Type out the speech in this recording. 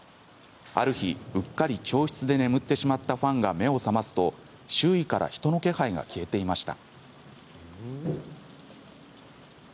ある日、うっかり教室で眠ってしまったファンが目を覚ますと、周囲から人の気配が消えていました。